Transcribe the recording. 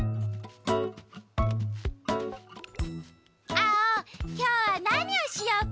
アオきょうはなにをしようか？